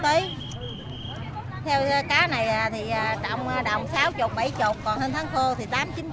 theo cá này thì trọng đồng sáu mươi bảy mươi còn hơn tháng hô thì tám mươi chín mươi